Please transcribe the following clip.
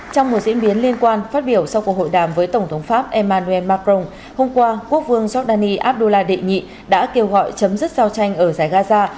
trong một diễn biến liên quan phát biểu sau cuộc hội đàm với tổng thống pháp emmanuel macron hôm qua quốc vương giordani abdullah đệ nhị đã kêu gọi chấm dứt giao tranh ở giải gaza